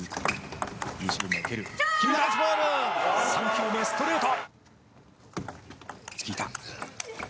３球目ストレート！